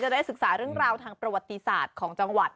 ได้ศึกษาเรื่องราวทางประวัติศาสตร์ของจังหวัด